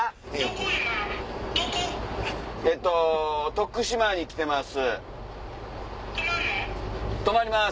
徳島に来てます。